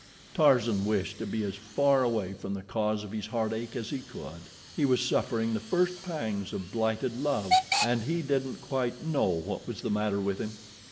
Tarzan wished to be as far away from the cause of his heartache as he could. He was suffering the first pangs of blighted love, and he didn't quite know what was the matter with him.